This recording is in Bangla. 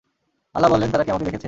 আল্লাহ বলেন, তারা কি আমাকে দেখেছে?